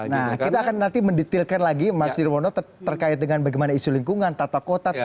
nah kita akan nanti mendetailkan lagi mas nirwono terkait dengan bagaimana isu lingkungan tata kota